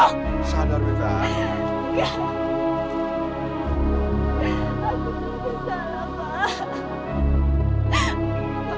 aku sedang bersalah pak